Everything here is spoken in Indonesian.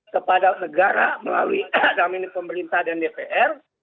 kepada negara melalui dominik pemerintah dan dpr